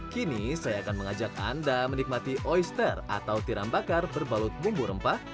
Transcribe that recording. kini saya akan mengajak anda menikmati oister atau tiram bakar berbalut bumbu rempah